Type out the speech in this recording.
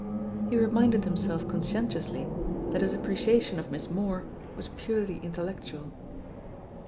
He reminded himself conscientiously that his appreciation of Miss Moore was purely intellectual.